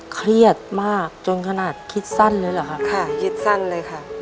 เครียดมากจนขนาดคิดสั้นเลยเหรอครับค่ะคิดสั้นเลยค่ะ